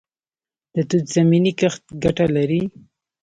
د توت زمینی کښت ګټه لري؟